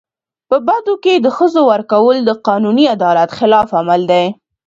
په بدو کي د ښځو ورکول د قانوني عدالت خلاف عمل دی.